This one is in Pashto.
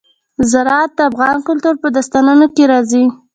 زراعت د افغان کلتور په داستانونو کې راځي.